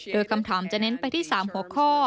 โดยคำถามจะเน้นไปที่๓หัวข้อ